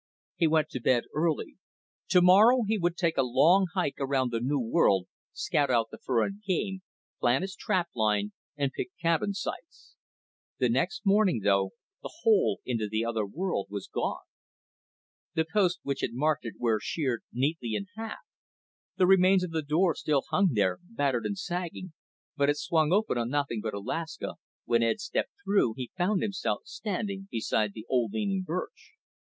He went to bed early. Tomorrow he would take a long hike around the new world, scout out the fur and game, plan his trap line and pick cabin sites. The next morning, though, the hole into the other world was gone. The posts which had marked it were sheared neatly in half. The remains of the door still hung there, battered and sagging; but it swung open on nothing but Alaska, when Ed stepped through he found himself standing beside the old leaning birch.